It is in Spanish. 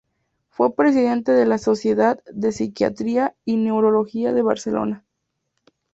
Fue presidente de la Sociedad de Psiquiatría y Neurología de Barcelona.